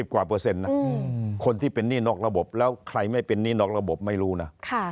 กว่าเปอร์เซ็นต์นะคนที่เป็นหนี้นอกระบบแล้วใครไม่เป็นหนี้นอกระบบไม่รู้นะ